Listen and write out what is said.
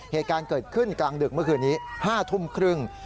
เหตุการณ์เกิดขึ้นกลางดึกเมื่อคืนนี้๕ทุ่มครึ่ง